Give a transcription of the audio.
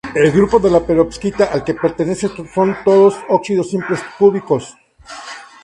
El grupo de la perovskita al que pertenece son todos óxidos simples cúbicos.